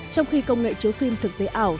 trong khi công nghệ chứa phim thực tế ảo